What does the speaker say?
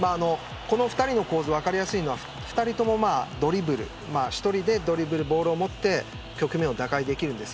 この２人の構図の分かりやすいのは２人ともドリブルで１人でボールを持って局面を打開できます。